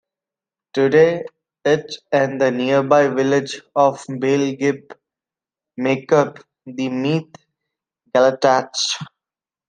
Today, it and the nearby village of Baile Ghib make up the Meath Gaeltacht.